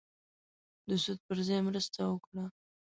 د سود پر ځای مرسته وکړه.